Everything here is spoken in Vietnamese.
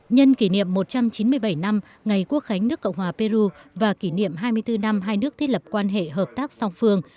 nhân kỷ niệm một trăm chín mươi bảy năm ngày quốc khánh nước cộng hòa peru và kỷ niệm hai mươi bốn năm hai nước thiết lập quan hệ hợp tác song phương